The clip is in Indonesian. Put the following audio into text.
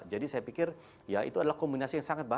jadi saya pikir ya itu adalah kombinasi yang sangat baik